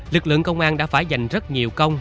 lực lượng công an đã phải dành rất nhiều công